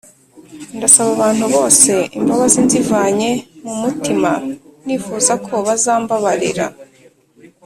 Ndasaba abantu bose imbabazi nzivanye mu mutima nifuza ko bazambabarira